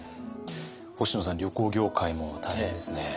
星野さん旅行業界も大変ですね。